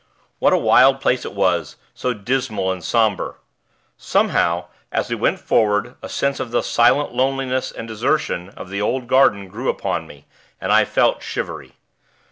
What a wild place it was, so dismal and somber! Somehow, as we went forward, a sense of the silent loneliness and desertion of the old garden grew upon me, and I felt shivery.